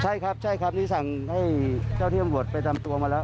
ใช่ครับใช่ครับนี่สั่งให้เจ้าที่ตำรวจไปทำตัวมาแล้ว